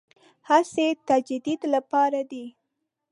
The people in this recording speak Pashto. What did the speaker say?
هڅې تجدید لپاره دي.